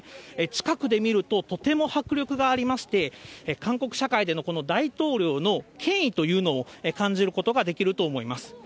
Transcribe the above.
近くで見るととても迫力がありまして、韓国社会での大統領の権威というのを感じることができると思います。